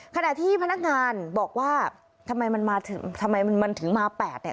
ขณะที่พนักงานบอกว่าทำไมมันถึงมา๘เนี่ย